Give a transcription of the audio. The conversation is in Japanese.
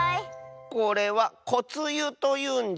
これは「こつゆ」というんじゃ。